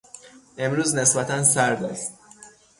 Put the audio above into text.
امروز نسبتا سرد است.